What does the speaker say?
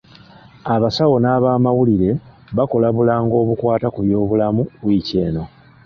Abasawo n'abamawulire bakola bulango obukwata ku by'obulamu wiiki eno.